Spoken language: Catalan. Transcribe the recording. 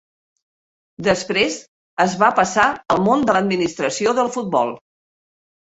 Després es va passar al món de l'administració del futbol.